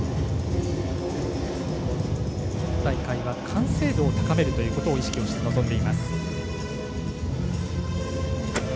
完成度を高めるということを意識をして臨んでいます。